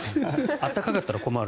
温かかったら困る。